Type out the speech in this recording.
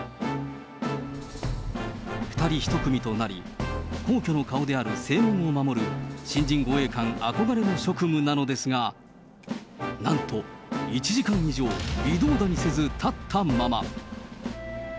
２人１組となり、皇居の顔である正門を守る、新人護衛官憧れの職務なのですが、なんと、１時間以上、微動だにせず、立ったまま。